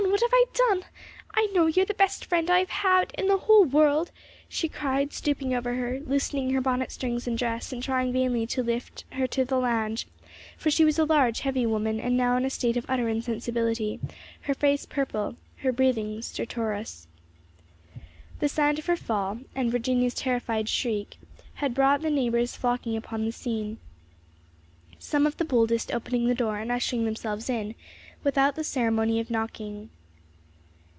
what have I done! I know you're the best friend I have in the world!" she cried, stooping over her, loosening her bonnet strings and dress, and trying vainly to lift her to the lounge, for she was a large, heavy woman and now in a state of utter insensibility, her face purple, her breathing stertorous. The sound of her fall and Virginia's terrified shriek had brought the neighbors flocking upon the scene; some of the boldest opening the door and ushering themselves in without the ceremony of knocking.